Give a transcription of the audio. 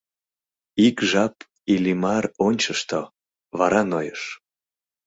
Ик жап Иллимар ончышто, вара нойыш.